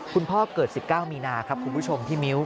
พ่อเกิด๑๙มีนาครับคุณผู้ชมพี่มิ้ว